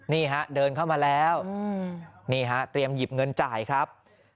นี่ฮะเดินเข้ามาแล้วนี่ฮะเตรียมหยิบเงินจ่ายครับ